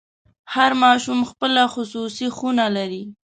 هر ماشوم خپله خصوصي خونه لري.